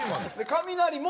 カミナリも？